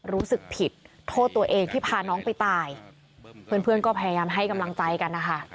รู้สึกผิดโทษตัวเองที่พาน้องไปตายเพื่อนก็พยายามให้กำลังใจกันนะคะ